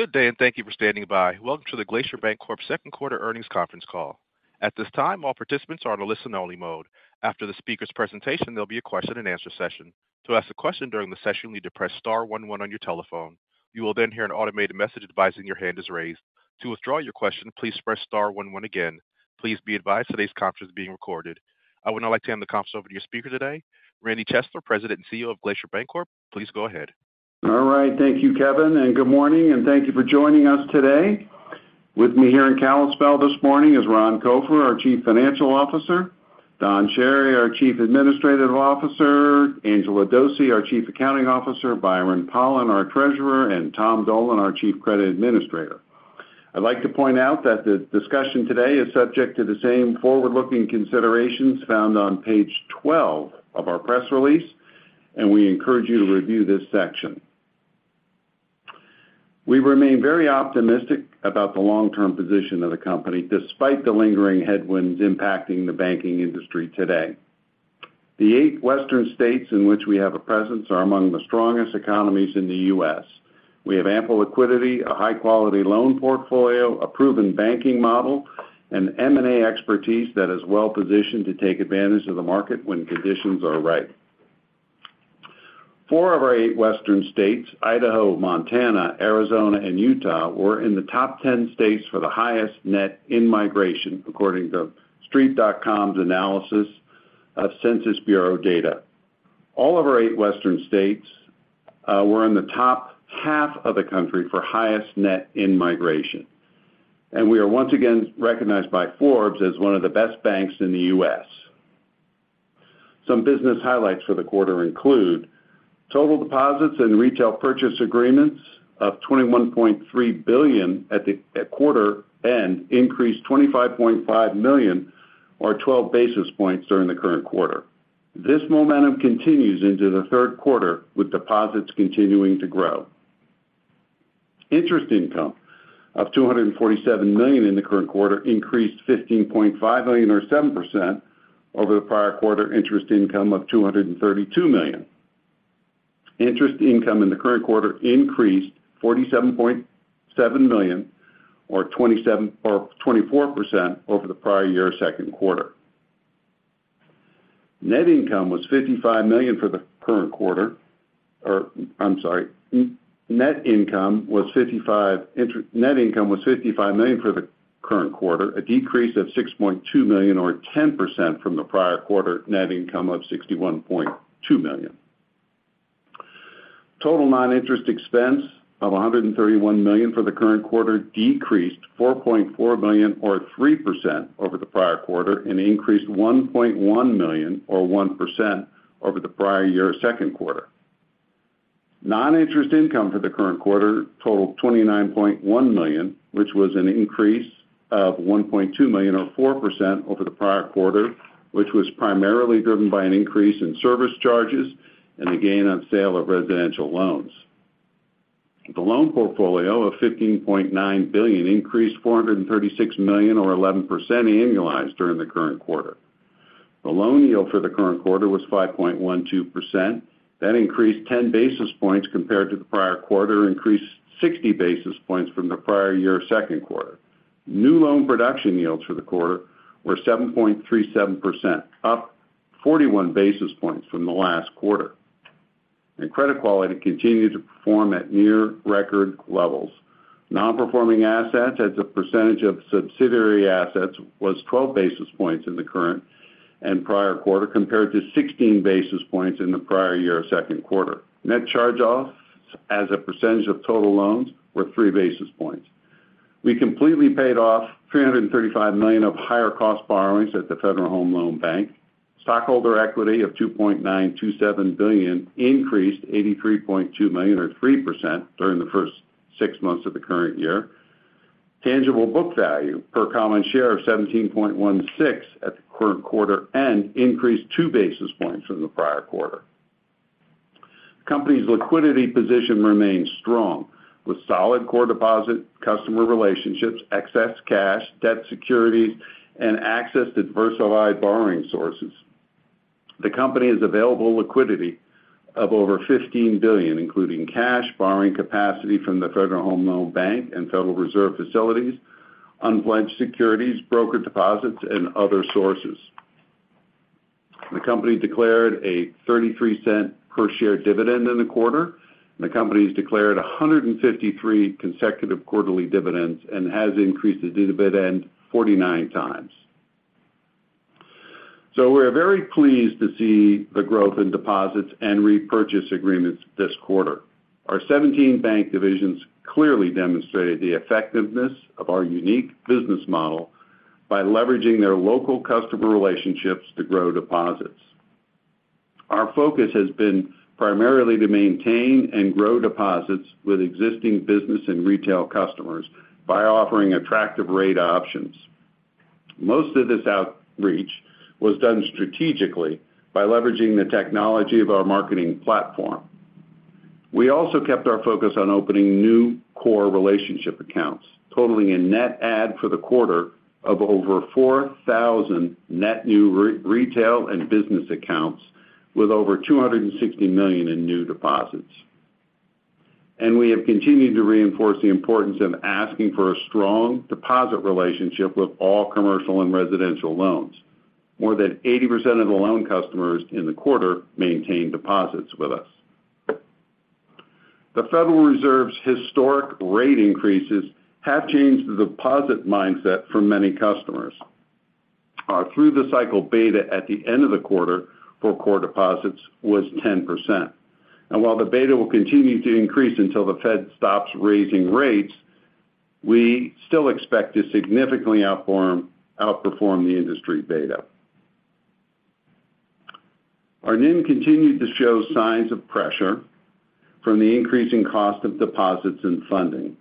Good day, and thank you for standing by. Welcome to the Glacier Bancorp second quarter earnings conference call. At this time, all participants are on a listen-only mode. After the speaker's presentation, there'll be a question-and-answer session. To ask a question during the session, you need to press star one one on your telephone. You will hear an automated message advising your hand is raised. To withdraw your question, please press star one one again. Please be advised today's conference is being recorded. I would now like to hand the conference over to your speaker today, Randy Chesler, President and CEO of Glacier Bancorp. Please go ahead. All right. Thank you, Kevin, and good morning, and thank you for joining us today. With me here in Kalispell this morning is Ron Copher, our Chief Financial Officer, Don Chery, our Chief Administrative Officer, Angela Dose, our Chief Accounting Officer, Byron Pollan, our Treasurer, and Tom Dolan, our Chief Credit Administrator. I'd like to point out that the discussion today is subject to the same forward-looking considerations found on page 12 of our press release, and we encourage you to review this section. We remain very optimistic about the long-term position of the company, despite the lingering headwinds impacting the banking industry today. The eight Western states in which we have a presence are among the strongest economies in the U.S. We have ample liquidity, a high-quality loan portfolio, a proven banking model, and M&A expertise that is well-positioned to take advantage of the market when conditions are right. Four of our eight Western states, Idaho, Montana, Arizona, and Utah, were in the top 10 states for the highest net in-migration, according to TheStreet.com's analysis of Census Bureau data. All of our eight Western states were in the top half of the country for highest net in-migration. We are once again recognized by Forbes as one of the best banks in the U.S. Some business highlights for the quarter include total deposits and retail purchase agreements of $21.3 billion at quarter end increased $25.5 million or 12 basis points during the current quarter. This momentum continues into the third quarter, with deposits continuing to grow. Interest income of $247 million in the current quarter increased $15.5 million, or 7% over the prior quarter interest income of $232 million. Interest income in the current quarter increased $47.7 million or 24% over the prior year's second quarter. Net income was $55 million for the current quarter. I'm sorry, net income was $55 million for the current quarter, a decrease of $6.2 million, or 10% from the prior quarter net income of $61.2 million. Total non-interest expense of $131 million for the current quarter decreased $4.4 million, or 3% over the prior quarter, increased $1.1 million, or 1% over the prior year's second quarter. Non-interest income for the current quarter totaled $29.1 million, which was an increase of $1.2 million, or 4% over the prior quarter, which was primarily driven by an increase in service charges and a gain on sale of residential loans. The loan portfolio of $15.9 billion increased $436 million or 11% annualized during the current quarter. The loan yield for the current quarter was 5.12%. That increased 10 basis points compared to the prior quarter, increased 60 basis points from the prior year's second quarter. New loan production yields for the quarter were 7.37%, up 41 basis points from the last quarter. Credit quality continued to perform at near record levels. Non-performing assets as a percentage of subsidiary assets was 12 basis points in the current and prior quarter, compared to 16 basis points in the prior year's second quarter. Net charge-offs as a percentage of total loans were 3 basis points. We completely paid off $335 million of higher-cost borrowings at the Federal Home Loan Bank. Stockholder equity of $2.927 billion increased $83.2 million, or 3% during the first six months of the current year. Tangible book value per common share of $17.16 at the current quarter end increased 2 basis points from the prior quarter. The company's liquidity position remains strong, with solid core deposit, customer relationships, excess cash, debt securities, and access to diversified borrowing sources. The company has available liquidity of over $15 billion, including cash, borrowing capacity from the Federal Home Loan Bank and Federal Reserve facilities, unpledged securities, broker deposits, and other sources. The company declared a $0.33 per share dividend in the quarter. The company has declared 153 consecutive quarterly dividends and has increased its dividend 49 times. We're very pleased to see the growth in deposits and repurchase agreements this quarter. Our 17 bank divisions clearly demonstrated the effectiveness of our unique business model by leveraging their local customer relationships to grow deposits. Our focus has been primarily to maintain and grow deposits with existing business and retail customers by offering attractive rate options. Most of this outreach was done strategically by leveraging the technology of our marketing platform. We also kept our focus on opening new core relationship accounts, totaling a net add for the quarter of over 4,000 net new retail and business accounts with over $260 million in new deposits. We have continued to reinforce the importance of asking for a strong deposit relationship with all commercial and residential loans. More than 80% of the loan customers in the quarter maintained deposits with us. The Federal Reserve's historic rate increases have changed the deposit mindset for many customers. through the cycle beta at the end of the quarter for core deposits was 10%. While the beta will continue to increase until the Fed stops raising rates, we still expect to significantly outperform the industry beta. Our NIM continued to show signs of pressure from the increasing cost of deposits and funding.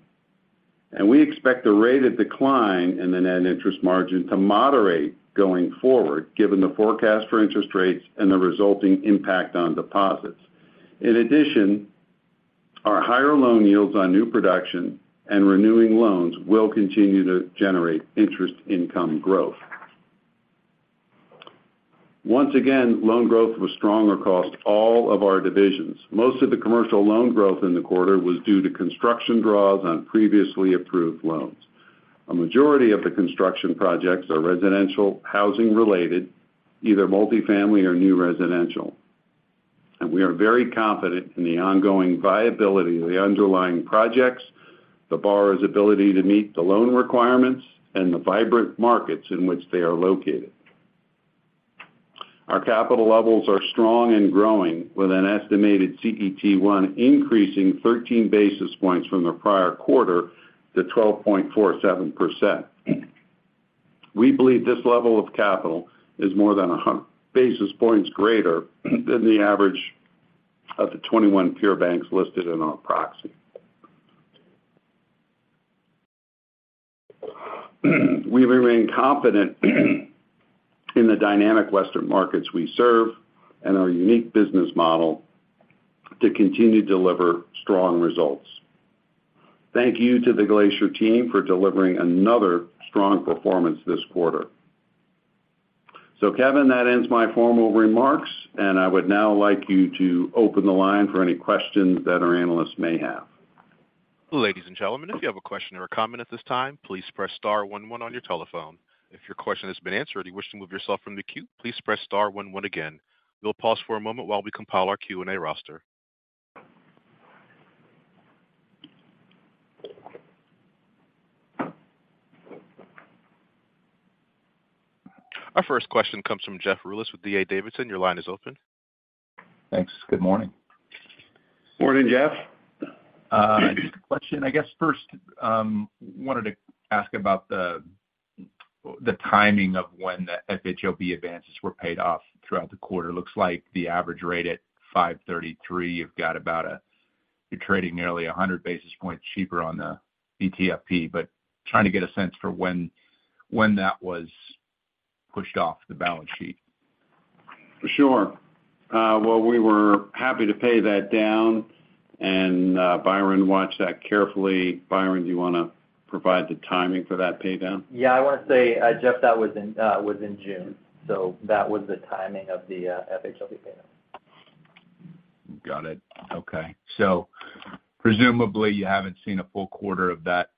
We expect the rate of decline in the net interest margin to moderate going forward, given the forecast for interest rates and the resulting impact on deposits. In addition, our higher loan yields on new production and renewing loans will continue to generate interest income growth. Once again, loan growth was strong across all of our divisions. Most of the commercial loan growth in the quarter was due to construction draws on previously approved loans. A majority of the construction projects are residential housing-related, either multifamily or new residential, and we are very confident in the ongoing viability of the underlying projects, the borrower's ability to meet the loan requirements, and the vibrant markets in which they are located. Our capital levels are strong and growing, with an estimated CET1 increasing 13 basis points from the prior quarter to 12.47%. We believe this level of capital is more than 100 basis points greater than the average of the 21 peer banks listed in our proxy. We remain confident in the dynamic western markets we serve and our unique business model to continue to deliver strong results. Thank you to the Glacier team for delivering another strong performance this quarter. Kevin, that ends my formal remarks, and I would now like you to open the line for any questions that our analysts may have. Ladies and gentlemen, if you have a question or a comment at this time, please press star one one on your telephone. If your question has been answered and you wish to move yourself from the queue, please press star one one again. We'll pause for a moment while we compile our Q&A roster. Our first question comes from Jeff Rulis with D.A. Davidson. Your line is open. Thanks. Good morning. Morning, Jeff. Just a question. I guess, first, wanted to ask about the timing of when the FHLB advances were paid off throughout the quarter. Looks like the average rate at 5.33, you're trading nearly 100 basis points cheaper on the BTFP. Trying to get a sense for when that was pushed off the balance sheet. Sure. Well, we were happy to pay that down, and, Byron watched that carefully. Byron, do you want to provide the timing for that pay down? I want to say, Jeff, that was in June, so that was the timing of the FHLB pay down. Got it. Okay. Presumably, you haven't seen a full quarter of that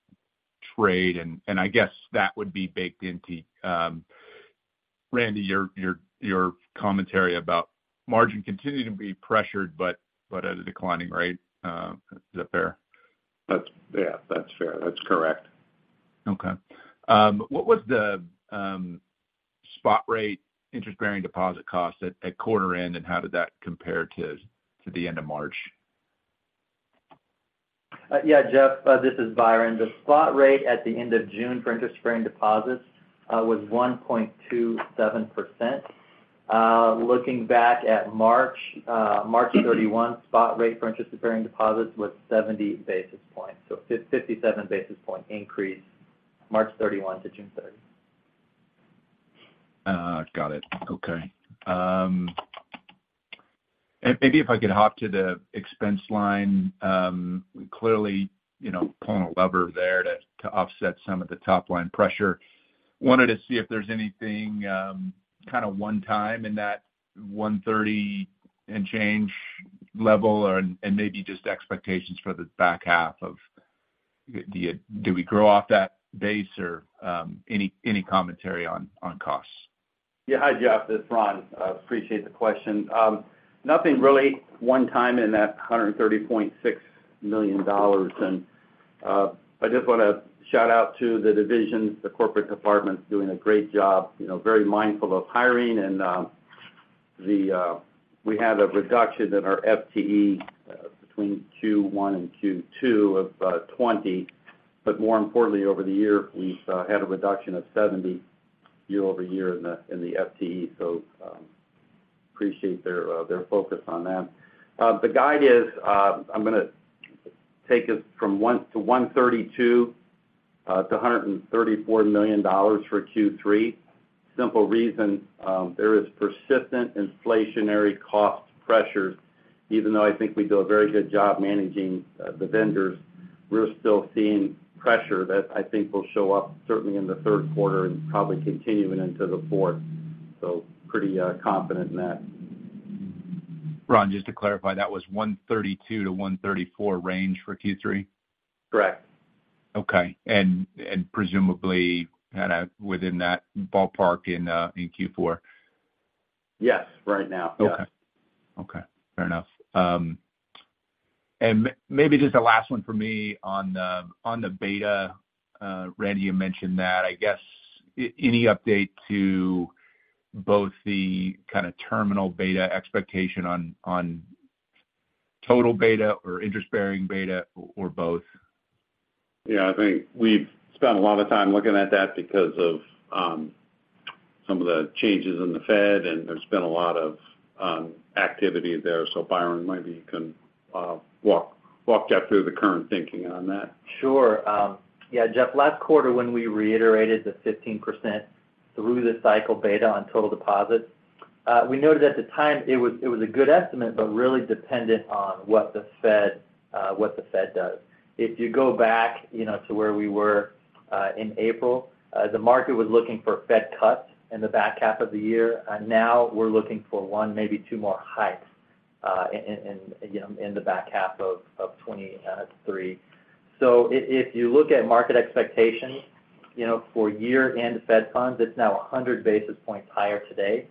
trade, and I guess that would be baked into, Randy, your commentary about margin continuing to be pressured but at a declining rate, is that fair? That's, yeah, that's fair. That's correct. Okay. What was the spot rate interest-bearing deposit cost at quarter end, and how did that compare to the end of March? Yeah, Jeff, this is Byron. The spot rate at the end of June for interest-bearing deposits was 1.27%. Looking back at March 31, spot rate for interest-bearing deposits was 70 basis points. 57 basis point increase, March 31 to June 30. Got it. Okay. Maybe if I could hop to the expense line, clearly pulling a lever there to offset some of the top-line pressure. Wanted to see if there's anything, one time in that $130 and change level, or, and maybe just expectations for the back half of the. Do we grow off that base or, any commentary on costs? Yeah. Hi, Jeff, this is Ron. I appreciate the question. Nothing really one time in that $130.6 million. I just want to shout out to the divisions, the corporate department's doing a great job, very mindful of hiring. We had a reduction in our FTE between Q1 and Q2 of 20. More importantly, over the year, we had a reduction of 70 year-over-year in the FTE. Appreciate their focus on that. The guide is, I'm gonna take us from $132 million-$134 million for Q3. Simple reason, there is persistent inflationary cost pressures even though I think we do a very good job managing, the vendors, we're still seeing pressure that I think will show up certainly in the third quarter and probably continuing into the fourth. Pretty confident in that. Ron, just to clarify, that was 132-134 range for Q3? Correct. Okay. And presumably, within that ballpark in Q4? Yes, right now. Yes. Okay. Okay, fair enough. Maybe just the last one for me on the, on the beta. Randy, you mentioned that, I guess, any update to both the terminal beta expectation on total beta or interest-bearing beta, or both? Yeah, I think we've spent a lot of time looking at that because of some of the changes in the Fed, and there's been a lot of activity there. Byron, maybe you can walk us through the current thinking on that. Sure. Yeah, Jeff, last quarter, when we reiterated the 15% through the cycle beta on total deposits, we noted at the time it was a good estimate, but really dependent on what the Fed, what the Fed does. If you go back, to where we were, in April, the market was looking for Fed cuts in the back half of the year. Now we're looking for one, maybe two more hikes, in the back half of 2023. If you look at market expectations, you know, for year-end Fed funds, it's now 100 basis points higher today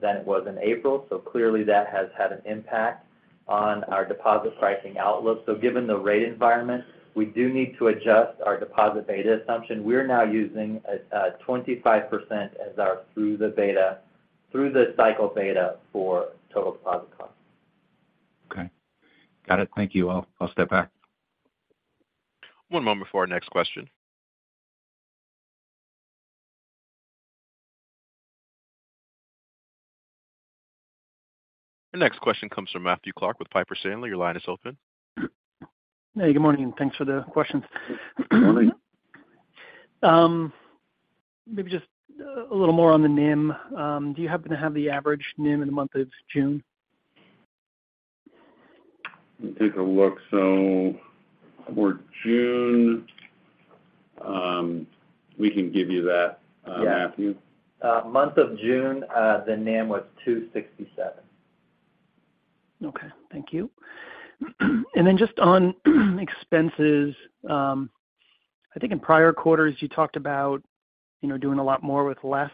than it was in April. Clearly, that has had an impact on our deposit pricing outlook. Given the rate environment, we do need to adjust our deposit beta assumption. We're now using 25% as our through the beta, through the cycle beta for total deposit costs. Okay. Got it. Thank you. I'll step back. One moment before our next question. The next question comes from Matthew Clark with Piper Sandler. Your line is open. Hey, good morning, and thanks for the questions. Good morning. Maybe just a little more on the NIM. Do you happen to have the average NIM in the month of June? Let me take a look. For June, we can give you that, Matthew. Month of June, the NIM was 2.67%. Okay, thank you. Just on expenses, I think in prior quarters, you talked about doing a lot more with less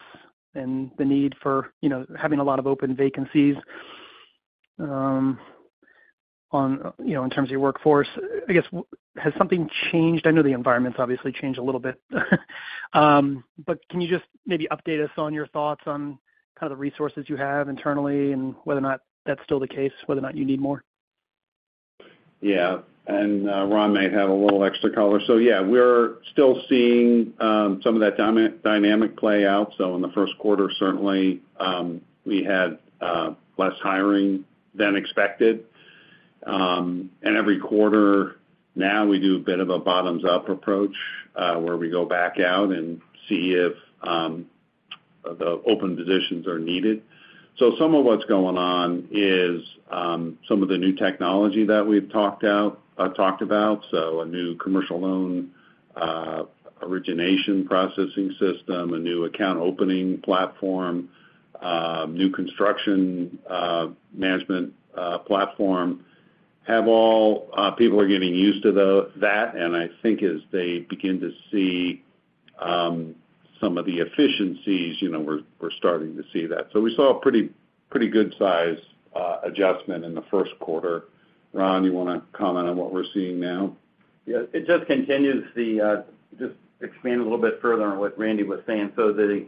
and the need for having a lot of open vacancies, on, you know, in terms of your workforce. Has something changed? I know the environment's obviously changed a little bit, can you just maybe update us on your thoughts on the resources you have internally and whether or not that's still the case, whether or not you need more? Yeah. Ron might have a little extra color. Yeah, we're still seeing some of that dynamic play out. In the first quarter, certainly, we had less hiring than expected. Every quarter now, we do a bit of a bottoms-up approach, where we go back out and see if the open positions are needed. Some of what's going on is some of the new technology that we've talked about. A new commercial loan origination processing system, a new account opening platform, new construction management platform, have all. People are getting used to that, and I think as they begin to see some of the efficiencies, you know, we're starting to see that. We saw a pretty good size adjustment in the first quarter. Ron, you want to comment on what we're seeing now? It just continues the, just expand a little bit further on what Randy was saying. The,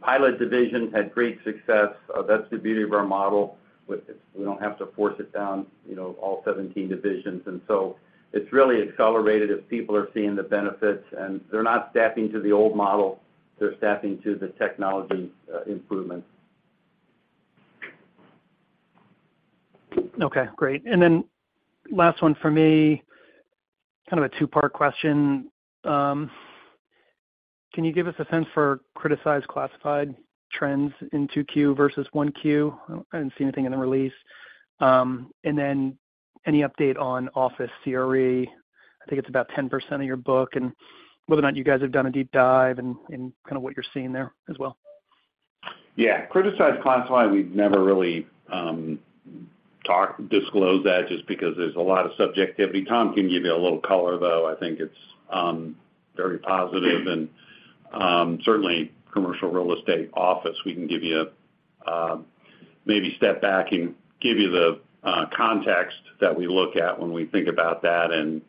pilot division had great success. That's the beauty of our model, with it, we don't have to force it down, all 17 divisions. It's really accelerated as people are seeing the benefits, and they're not staffing to the old model, they're staffing to the technology, improvements. Okay, great. Last one for me, a two-part question. Can you give us a sense for criticized classified trends in 2Q versus 1Q? I didn't see anything in the release. Any update on office CRE? I think it's about 10% of your book, and whether or not you guys have done a deep dive and what you're seeing there as well. Yeah. Criticized classified, we've never really disclosed that just because there's a lot of subjectivity. Tom can give you a little color, though. I think it's very positive and certainly commercial real estate office, we can give you a maybe step back and give you the context that we look at when we think about that and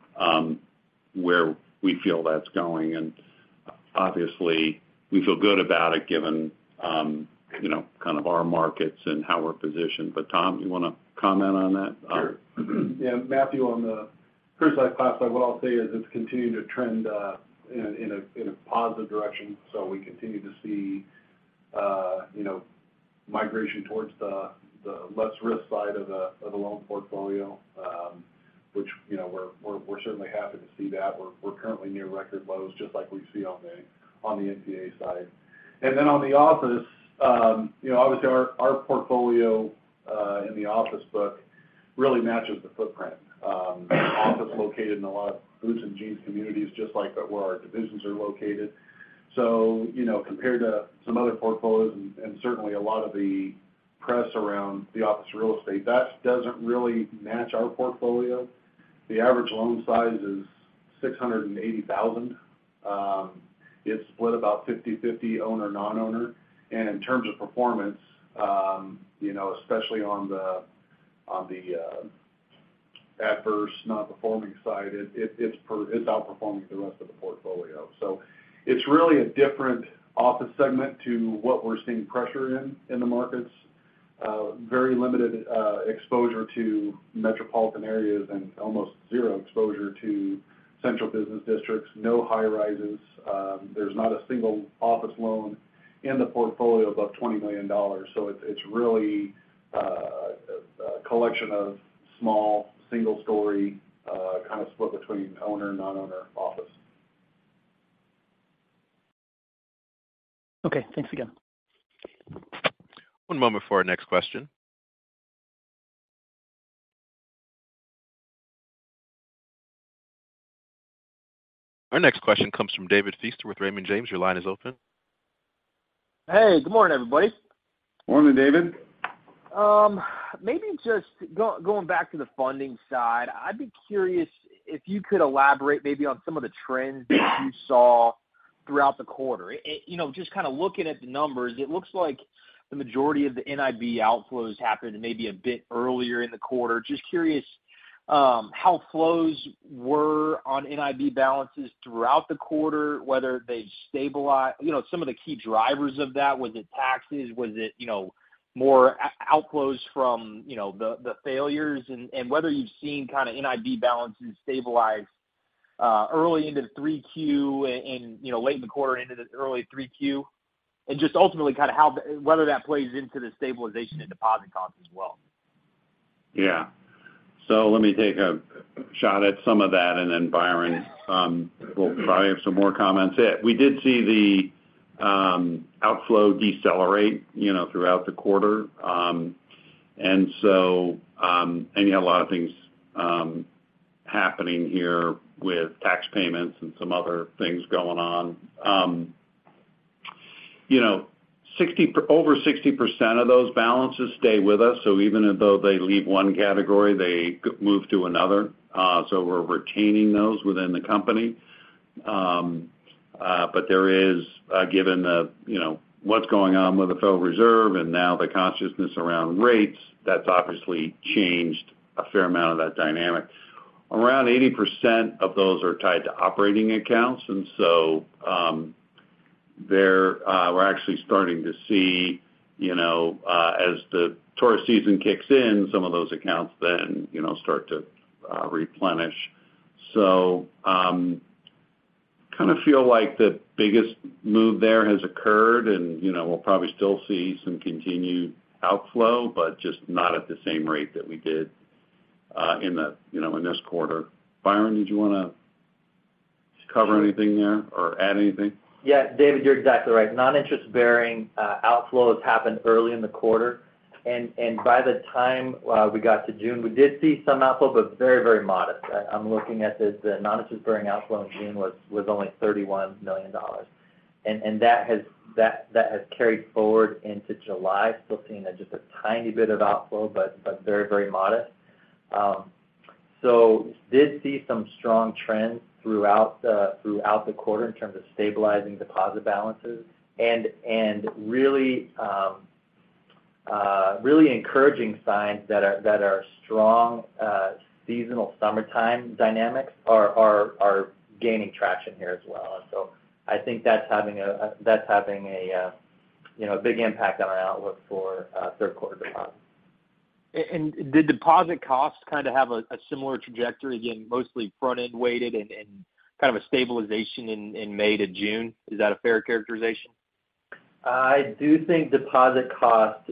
where we feel that's going. Obviously, we feel good about it, given our markets and how we're positioned. Tom, you want to comment on that? Sure. Yeah, Matthew, on the criticized class, what I'll say is it's continuing to trend in a positive direction. We continue to see migration towards the less risk side of the loan portfolio which we're certainly happy to see that. We're currently near record lows, just like we see on the NPA side. On the office, you know, obviously, our portfolio in the office book really matches the footprint. Office located in a lot of boots and jeans communities, just like where our divisions are located. You know, compared to some other portfolios, and certainly a lot of the press around the office real estate, that doesn't really match our portfolio. The average loan size is $680,000. It's split about 50/50 owner, non-owner. In terms of performance, especially on the adverse non-performing side, it's outperforming the rest of the portfolio. It's really a different office segment to what we're seeing pressure in the markets. Very limited exposure to metropolitan areas and almost zero exposure to central business districts, no high rises. There's not a single office loan in the portfolio above $20 million. It's really a collection of small, single story, split between owner and non-owner office. Okay, thanks again. One moment for our next question. Our next question comes from David Feaster with Raymond James. Your line is open. Hey, good morning, everybody. Morning, David. Maybe just going back to the funding side, I'd be curious if you could elaborate maybe on some of the trends that you saw throughout the quarter. You know, just looking at the numbers, it looks like the majority of the NIB outflows happened maybe a bit earlier in the quarter. Just curious how flows were on NIB balances throughout the quarter, whether they've stabilized. You know, some of the key drivers of that. Was it taxes? Was it more outflows from the failures? And whether you've seen NIB balances stabilize early into the 3Q and, late in the quarter into the early 3Q. And just ultimately, how whether that plays into the stabilization and deposit costs as well. Let me take a shot at some of that, and then, Byron, will probably have some more comments. We did see the outflow decelerate throughout the quarter. You have a lot of things happening here with tax payments and some other things going on. You know, over 60% of those balances stay with us, so even though they leave one category, they move to another. We're retaining those within the company. There is, given the, you know, what's going on with the Federal Reserve and now the consciousness around rates, that's obviously changed a fair amount of that dynamic. Around 80% of those are tied to operating accounts. There, we're actually starting to see as the tourist season kicks in, some of those accounts then start to replenish. Kind of feel like the biggest move there has occurred. You know, we'll probably still see some continued outflow. Just not at the same rate that we did, in this quarter. Byron, did you want to cover anything there or add anything? Yeah, David, you're exactly right. Non-interest-bearing outflows happened early in the quarter. By the time we got to June, we did see some outflow, but very modest. I'm looking at this, the non-interest-bearing outflow in June was only $31 million. That has carried forward into July. Still seeing just a tiny bit of outflow, but very modest. Did see some strong trends throughout the quarter in terms of stabilizing deposit balances. Really encouraging signs that are strong seasonal summertime dynamics are gaining traction here as well. I think that's having a big impact on our outlook for third quarter deposit. Did deposit costs have a similar trajectory, again, mostly front-end weighted and a stabilization in May to June? Is that a fair characterization? I do think deposit costs,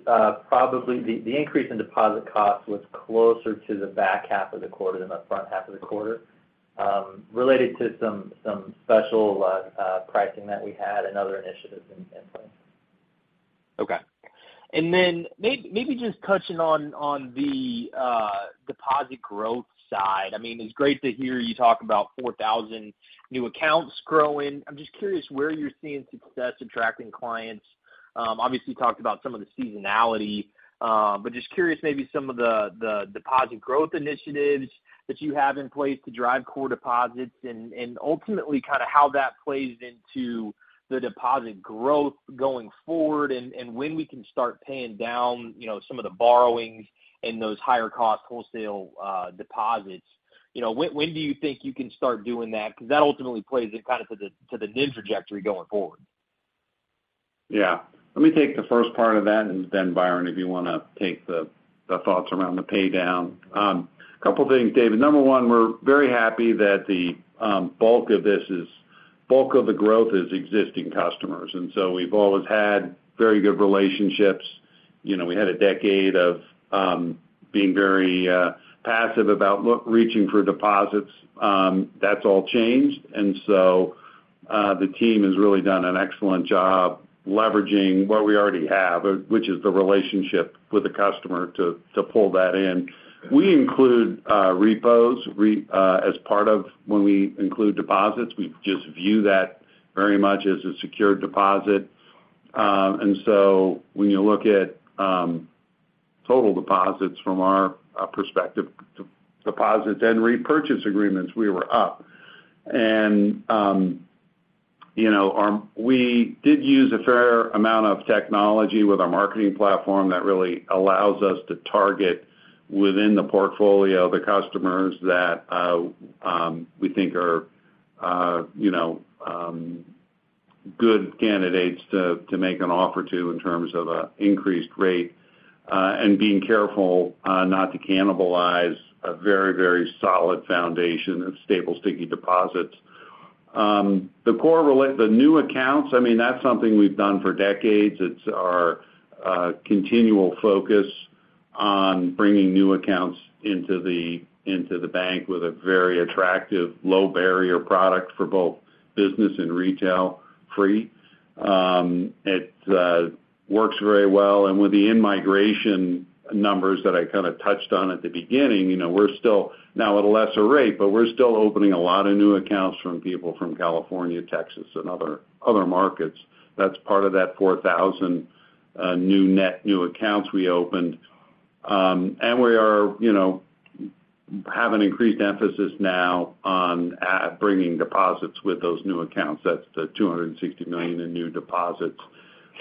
probably the increase in deposit costs was closer to the back half of the quarter than the front half of the quarter, related to some special, pricing that we had and other initiatives in place. Okay. Then maybe just touching on the deposit growth side. I mean, it's great to hear you talk about 4,000 new accounts growing. I'm just curious where you're seeing success attracting clients. Obviously, you talked about some of the seasonality, just curious, maybe some of the deposit growth initiatives that you have in place to drive core deposits and, ultimately, kind of how that plays into the deposit growth going forward, when we can start paying down, some of the borrowings and those higher cost wholesale deposits. You know, when do you think you can start doing that? That ultimately plays to the NIM trajectory going forward. Yeah. Let me take the first part of that, and then, Byron, if you want to take the thoughts around the pay down. A couple of things, David. Number one, we're very happy that the bulk of the growth is existing customers. We've always had very good relationships. You know, we had a decade of being very passive about reaching for deposits. That's all changed. The team has really done an excellent job leveraging what we already have, which is the relationship with the customer to pull that in. We include repos as part of when we include deposits. We just view that very much as a secured deposit. When you look at total deposits from our perspective, deposits and repurchase agreements, we were up. You know, we did use a fair amount of technology with our marketing platform that really allows us to target within the portfolio, the customers that we think are good candidates to make an offer to in terms of an increased rate and being careful not to cannibalize a very solid foundation of stable, sticky deposits. The core new accounts, I mean, that's something we've done for decades. It's our continual focus on bringing new accounts into the bank with a very attractive, low-barrier product for both business and retail, free. It works very well. With the in-migration numbers that I touched on at the beginning, we're still now at a lesser rate, but we're still opening a lot of new accounts from people from California, Texas, and other markets. That's part of that 4,000 new net, new accounts we opened. And we are, you know, have an increased emphasis now on bringing deposits with those new accounts. That's the $260 million in new deposits.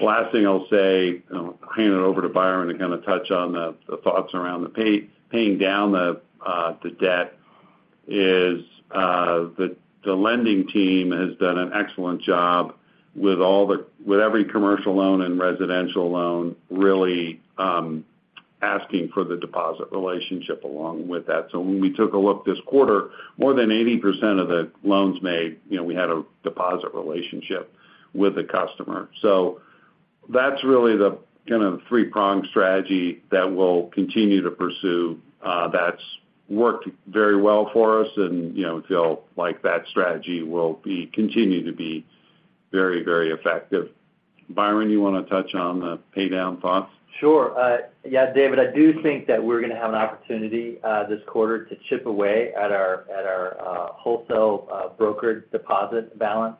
Last thing I'll say, I'll hand it over to Byron to touch on the thoughts around paying down the debt, is the lending team has done an excellent job with every commercial loan and residential loan, really, asking for the deposit relationship along with that. When we took a look this quarter, more than 80% of the loans made, you know, we had a deposit relationship with the customer. That's really the three-pronged strategy that we'll continue to pursue, that's worked very well for us, and, you know, feel like that strategy will be, continue to be very, very effective. Byron, do you want to touch on the paydown thoughts? Sure. Yeah, David, I do think that we're going to have an opportunity this quarter to chip away at our wholesale brokered deposit balance.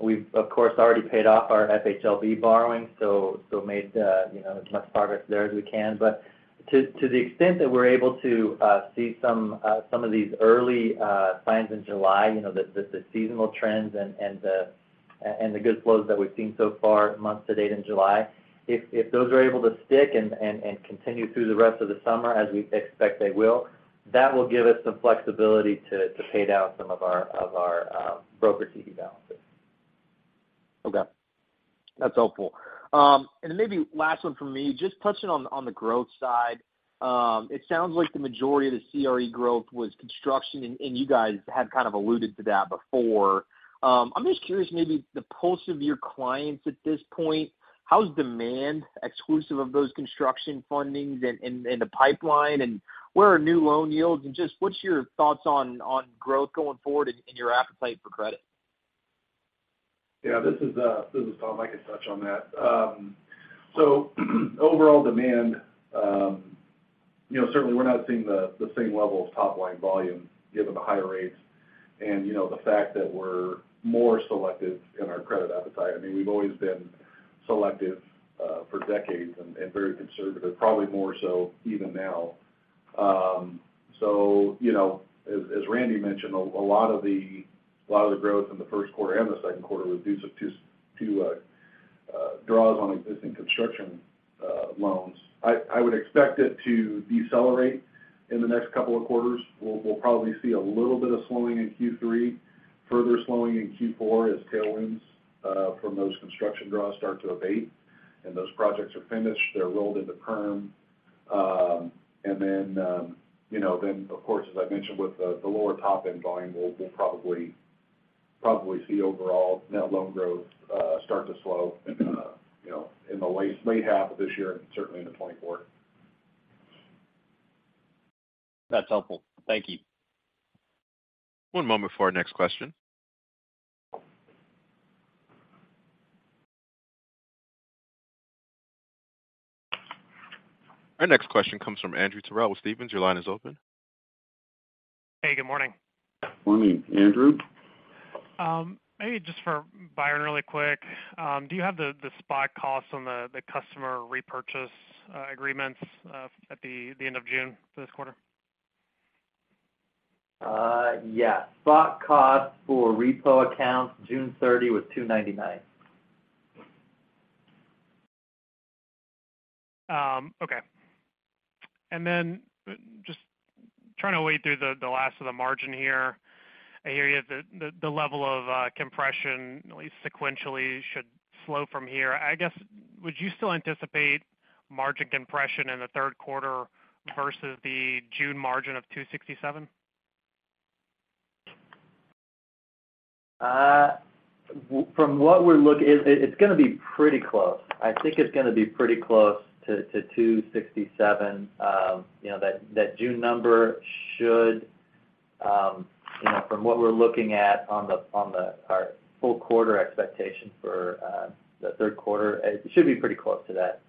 We've, of course, already paid off our FHLB borrowing, so made, you know, as much progress there as we can. To the extent that we're able to see some of these early signs in July, the seasonal trends and the good flows that we've seen so far, month to date in July, if those are able to stick and continue through the rest of the summer, as we expect they will, that will give us some flexibility to pay down some of our broker CD balances. Okay, that's helpful. Maybe last one from me, just touching on the growth side. It sounds like the majority of the CRE growth was construction, and you guys had alluded to that before. I'm just curious, maybe the pulse of your clients at this point, how's demand exclusive of those construction fundings and the pipeline, and where are new loan yields? Just what's your thoughts on growth going forward and your appetite for credit? Yeah, this is Tom. I can touch on that. Overall demand, you know, certainly we're not seeing the same level of top-line volume given the higher rates. You know, the fact that we're more selective in our credit appetite, I mean, we've always been selective for decades and very conservative, probably more so even now. You know, as Randy mentioned, a lot of the growth in the first quarter and the second quarter was due to draws on existing construction loans. I would expect it to decelerate in the next couple of quarters. We'll probably see a little bit of slowing in Q3, further slowing in Q4 as tailwinds from those construction draws start to abate, and those projects are finished, they're rolled into perm. You know, then, of course, as I mentioned, with the lower top-end volume, we'll probably see overall net loan growth, start to slow in the late half of this year and certainly into 2024. That's helpful. Thank you. One moment before our next question. Our next question comes from Andrew Terrell with Stephens. Your line is open. Hey, good morning. Morning, Andrew. Maybe just for Byron really quick. Do you have the spot costs on the customer repurchase agreements at the end of June for this quarter? Yeah. Spot cost for repo accounts, June 30, was 2.99. Okay. Just trying to wade through the last of the margin here. I hear you have the level of compression, at least sequentially, should slow from here. I guess, would you still anticipate margin compression in the third quarter versus the June margin of 2.67%? From what we're looking, it's gonna be pretty close. I think it's gonna be pretty close to $2.67. You know, that June number should, you know, from what we're looking at on the our full quarter expectations for the third quarter, it should be pretty close to that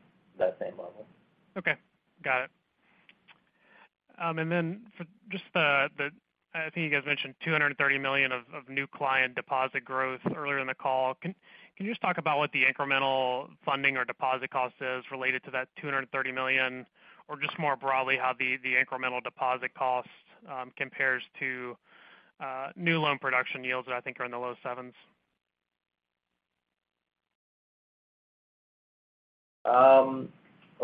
same level. Got it. For just I think you guys mentioned $230 million of new client deposit growth earlier in the call. Can you just talk about what the incremental funding or deposit cost is related to that $230 million? Or just more broadly, how the incremental deposit cost compares to new loan production yields that I think are in the low 7s.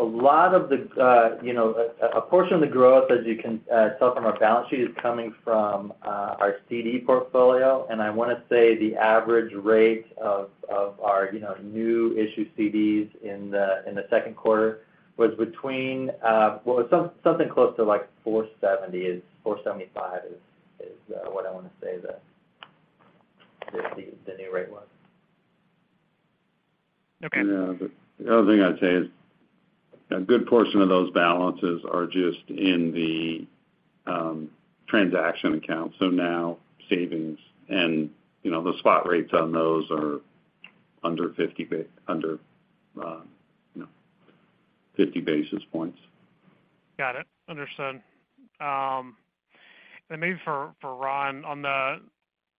A lot of the, you know, a portion of the growth, as you can tell from our balance sheet, is coming from our CD portfolio. I want to say the average rate of our, you know, new issue CDs in the second quarter was between, well, something close to, like, 4.70%, 4.75% is, what I want to say the new rate was. Okay. The other thing I'd say is, a good portion of those balances are just in the transaction account. Now, savings and, you know, the spot rates on those are under, you know, 50 basis points. Got it. Understood. Maybe for Ron, on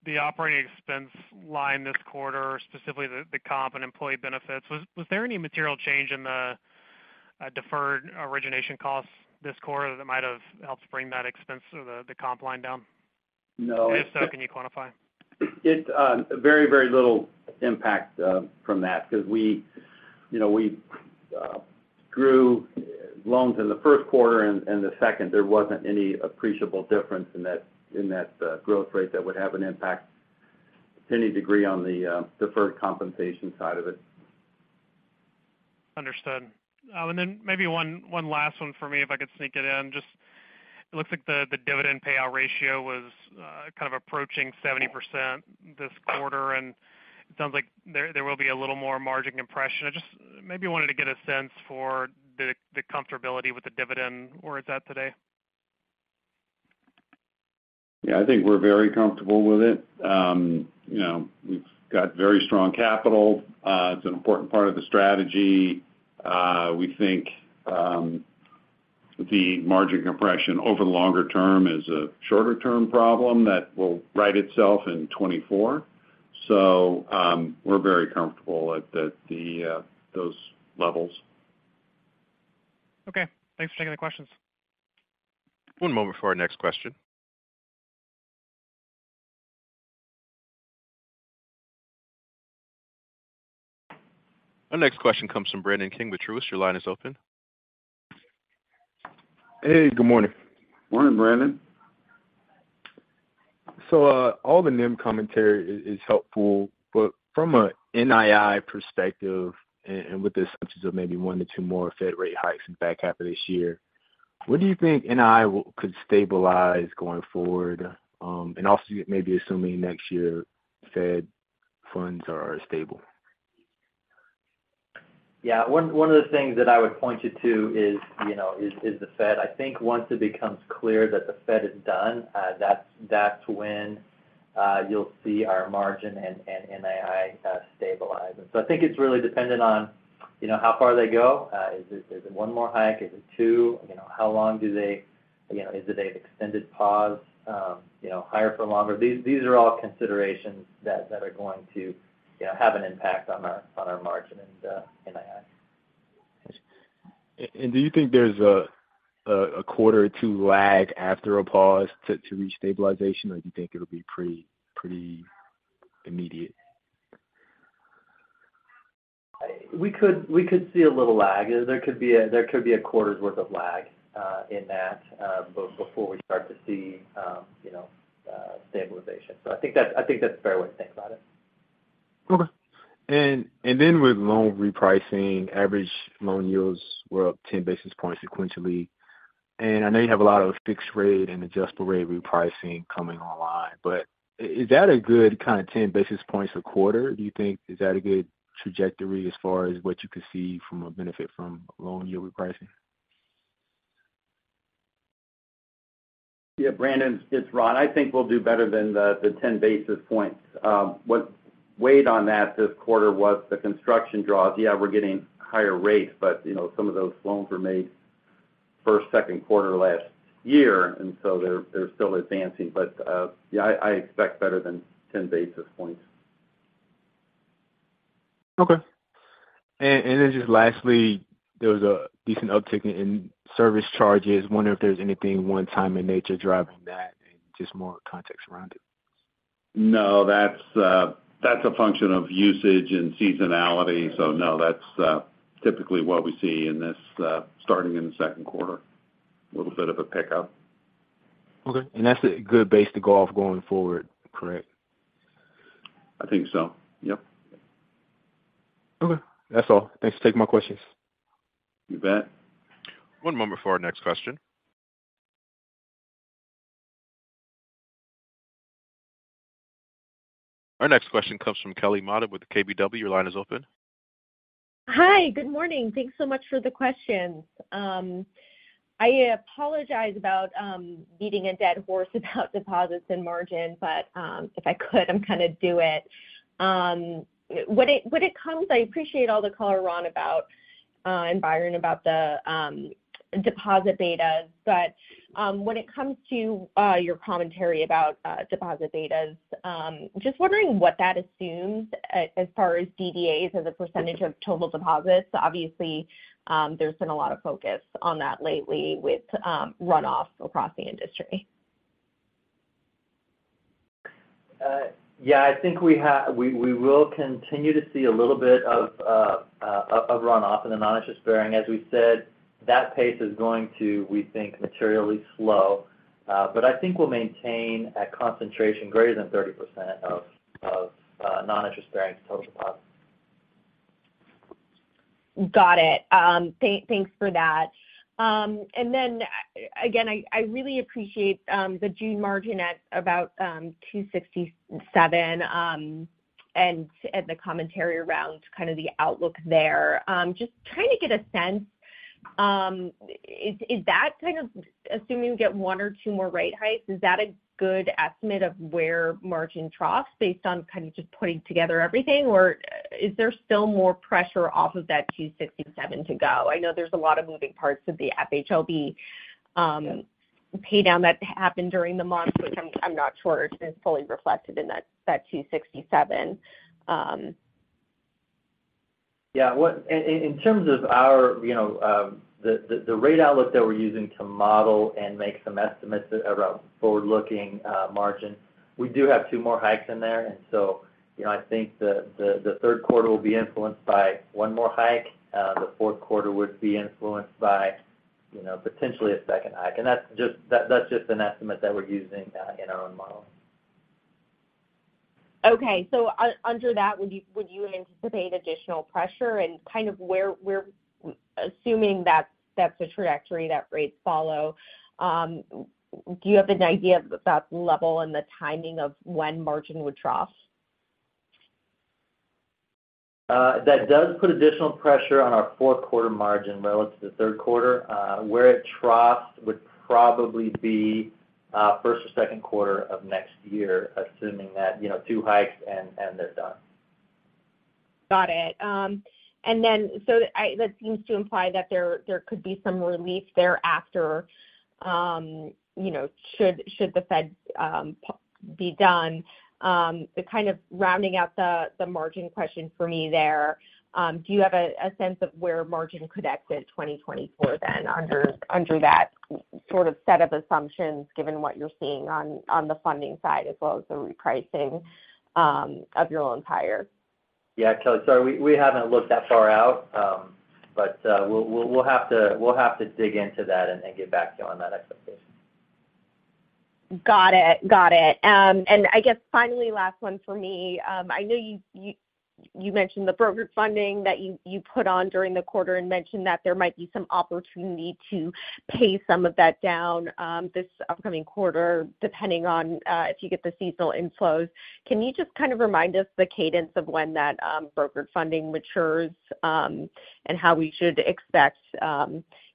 the operating expense line this quarter, specifically the comp and employee benefits, was there any material change in the deferred origination costs this quarter that might have helped bring that expense or the comp line down? No. If so, can you quantify? It, very, very little impact, from that because we, you know, we, grew loans in the first quarter and the second. There wasn't any appreciable difference in that growth rate that would have an impact to any degree on the deferred compensation side of it. Understood. Maybe one last one for me, if I could sneak it in. It looks like the dividend payout ratio was approaching 70% this quarter, and it sounds like there will be a little more margin compression. I just maybe wanted to get a sense for the comfortability with the dividend. Where is that today? Yeah, I think we're very comfortable with it. You know, we've got very strong capital. It's an important part of the strategy. We think the margin compression over the longer term is a shorter-term problem that will right itself in 2024. We're very comfortable at those levels. Okay. Thanks for taking the questions. One moment for our next question. Our next question comes from Brandon King with Truist. Your line is open. Hey, good morning. Morning, Brandon. All the NIM commentary is helpful, but from a NII perspective, and with the assumptions of maybe one to two more Fed rate hikes in the back half of this year, when do you think NII could stabilize going forward, and also maybe assuming next year, Fed funds are stable? Yeah, one of the things that I would point you to is, you know, is the Fed. I think once it becomes clear that the Fed is done, that's when you'll see our margin and NII stabilize. I think it's really dependent on, you know, how far they go. Is it one more hike? Is it two? You know, how long do they... You know, is it an extended pause? You know, higher for longer. These are all considerations that are going to, you know, have an impact on our margin and NII. Do you think there's a quarter or two lag after a pause to reach stabilization, or do you think it'll be pretty immediate? We could see a little lag. There could be a quarter's worth of lag in that before we start to see, you know, stabilization. I think that's a fair way to think about it. Okay. With loan repricing, average loan yields were up 10 basis points sequentially. I know you have a lot of fixed rate and adjustable rate repricing coming online, but is that a good 10 basis points a quarter, do you think? Is that a good trajectory as far as what you could see from a benefit from loan yield repricing? Brandon, it's Ron. I think we'll do better than the 10 basis points. What weighed on that this quarter was the construction draws. Yeah, we're getting higher rates, but, you know, some of those loans were made first, second quarter last year, so they're still advancing. Yeah, I expect better than 10 basis points. Okay. Just lastly, there was a decent uptick in service charges. Wondering if there's anything one time in nature driving that and just more context around it? No, that's a function of usage and seasonality. No, that's, typically what we see in this, starting in the second quarter. A little bit of a pickup. Okay. That's a good base to go off going forward, correct? I think so. Yep. Okay, that's all. Thanks for taking my questions. You bet. One moment before our next question. Our next question comes from Kelly Motta with KBW. Your line is open. Hi, good morning. Thanks so much for the questions. I apologize about beating a dead horse about deposits and margin, but if I could, I'm gonna do it. When it comes, I appreciate all the color, Ron, about and Byron, about the deposit betas. When it comes to your commentary about deposit betas, just wondering what that assumes as far as DDAs as a % of total deposits. Obviously, there's been a lot of focus on that lately with runoff across the industry. Yeah, I think we will continue to see a little bit of runoff in the non-interest-bearing. As we said, that pace is going to, we think, materially slow, I think we'll maintain a concentration greater than 30% of non-interest-bearing total deposits. Got it. Thanks for that. Again, I really appreciate the June margin at about 2.67% and the commentary around kind of the outlook there. Just trying to get a sense, is that kind of assuming we get 1 or 2 more rate hikes, is that a good estimate of where margin troughs based on kind of just putting together everything? Or is there still more pressure off of that 2.67% to go? I know there's a lot of moving parts of the FHLB pay down that happened during the month, which I'm not sure is fully reflected in that 2.67%. Yeah. In terms of our, you know, the rate outlook that we're using to model and make some estimates around forward-looking margin, we do have two more hikes in there. So, you know, I think the third quarter will be influenced by one more hike. The fourth quarter would be influenced by, you know, potentially a second hike. That's just an estimate that we're using in our own modeling. Under that, would you anticipate additional pressure and kind of where, assuming that's the trajectory that rates follow, do you have an idea of that level and the timing of when margin would trough? That does put additional pressure on our fourth quarter margin relative to the third quarter. where it troughs would probably be first or second quarter of next year, assuming that, you know, two hikes and they're done. Got it. That seems to imply that there could be some relief thereafter, you know, should the Fed be done. Kind of rounding out the margin question for me there, do you have a sense of where margin could exit 2024 then under that sort of set of assumptions, given what you're seeing on the funding side, as well as the repricing of your loan higher? Yeah. Kelly, we haven't looked that far out, but, we'll have to dig into that and get back to you on that expectation. Got it. Got it. I guess finally, last one for me. I know you mentioned the brokered funding that you put on during the quarter and mentioned that there might be some opportunity to pay some of that down, this upcoming quarter, depending on, if you get the seasonal inflows. Can you just kind of remind us the cadence of when that brokered funding matures, and how we should expect,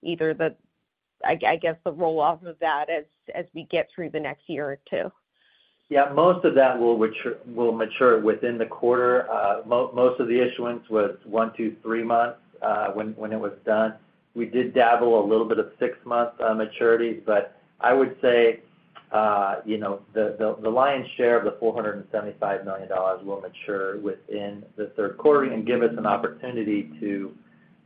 either the, I guess, the roll-off of that as we get through the next year or two? Most of that will mature within the quarter. Most of the issuance was one to three months when it was done. We did dabble a little bit of six months maturities, but I would say, you know, the lion's share of the $475 million will mature within the third quarter and give us an opportunity to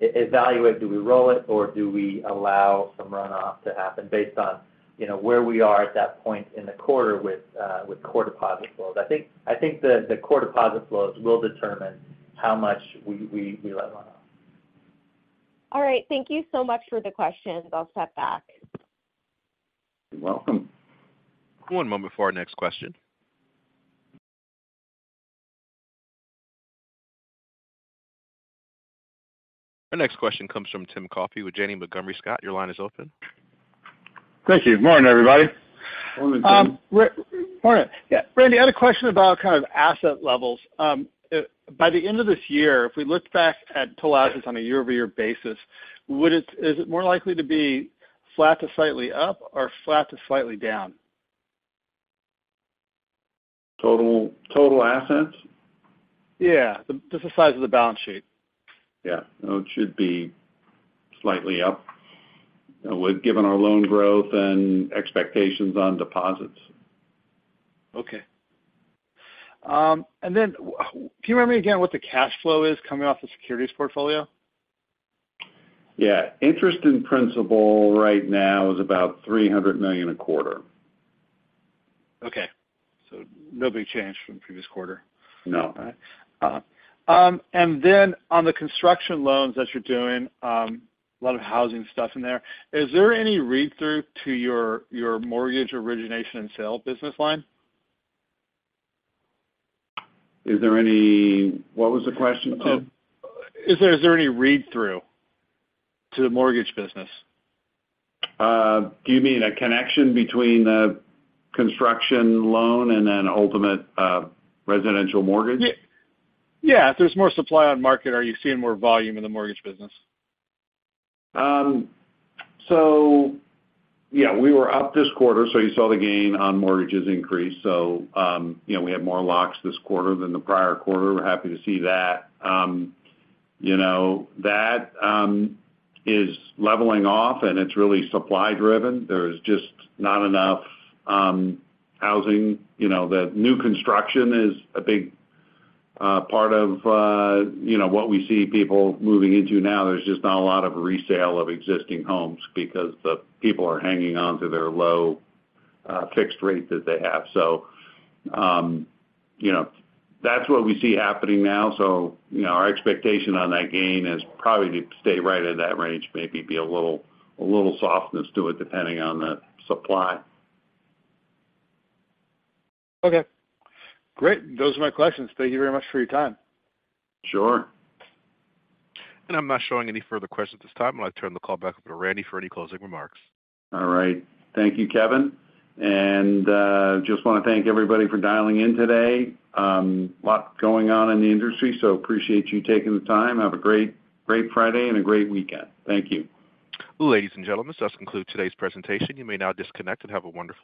evaluate, do we roll it or do we allow some runoff to happen based on, you know, where we are at that point in the quarter with core deposit flows? I think the core deposit flows will determine how much we let run off. All right. Thank you so much for the questions. I'll step back. You're welcome. One moment before our next question. Our next question comes from Tim Coffey with Janney Montgomery Scott. Your line is open. Thank you. Morning, everybody. Morning, Tim. Morning. Yeah, Randy, I had a question about kind of asset levels. By the end of this year, if we look back at total assets on a year-over-year basis, is it more likely to be flat to slightly up or flat to slightly down? Total assets? Yeah, just the size of the balance sheet. Yeah. It should be slightly up, given our loan growth and expectations on deposits. Okay. Can you remind me again what the cash flow is coming off the securities portfolio? Yeah. Interest and principal right now is about $300 million a quarter. Okay. No big change from the previous quarter? No. On the construction loans that you're doing, a lot of housing stuff in there, is there any read-through to your mortgage origination and sale business line? What was the question, Tim? Is there any read-through to the mortgage business? Do you mean a connection between a construction loan and then ultimate, residential mortgage? Yeah. If there's more supply on market, are you seeing more volume in the mortgage business? Yeah, we were up this quarter, so you saw the gain on mortgages increase. You know, we had more locks this quarter than the prior quarter. We're happy to see that. You know, that is leveling off, and it's really supply-driven. There's just not enough housing. You know, the new construction is a big part of, you know, what we see people moving into now. There's just not a lot of resale of existing homes because the people are hanging on to their low fixed rate that they have. You know, that's what we see happening now. You know, our expectation on that gain is probably to stay right in that range, maybe be a little softness to it, depending on the supply. Okay, great. Those are my questions. Thank you very much for your time. Sure. I'm not showing any further questions at this time. I'd like to turn the call back over to Randy for any closing remarks. All right. Thank you, Kevin. Just want to thank everybody for dialing in today. A lot going on in the industry, so appreciate you taking the time. Have a great Friday and a great weekend. Thank you. Ladies and gentlemen, this does conclude today's presentation. You may now disconnect and have a wonderful day.